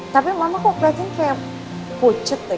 tapi mama kok keliatan kaya pucet deh